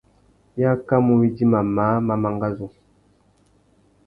I akamú widjima māh má mangazú.